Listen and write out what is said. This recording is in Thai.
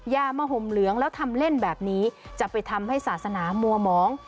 อย่ามาห่มเหลืองแล้วทำเล่นแบบนี้จะไปทำให้ศาสนามัวหมอง